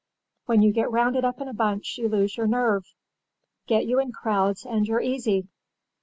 When you get rounded up in a bunch you lose your nerve. Get you in crowds and you're easy.